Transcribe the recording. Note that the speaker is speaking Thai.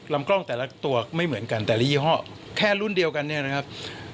ลำกล้องแต่ละตัวไม่เหมือนกันแต่ละยี่ห้อแค่รุ่นเดียวกันเนี่ยนะครับ